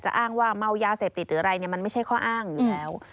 อ้างว่าเมายาเสพติดหรืออะไรมันไม่ใช่ข้ออ้างอยู่แล้ว